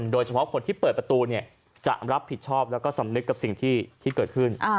โดยเฉพาะคนที่เปิดประตูจะรับผิดชอบแล้วก็สำนึกกับสิ่งที่เกิดขึ้น